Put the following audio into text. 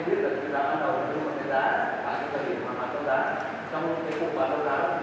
những lần đó làm giá có giá không được thông báo